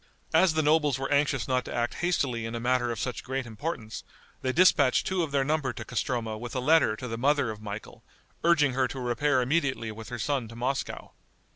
As the nobles were anxious not to act hastily in a matter of such great importance, they dispatched two of their number to Castroma with a letter to the mother of Michael, urging her to repair immediately with her son to Moscow.